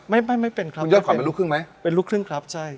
ไม่ไม่เป็นครับคุณยอดขวัญเป็นลูกครึ่งไหมเป็นลูกครึ่งครับใช่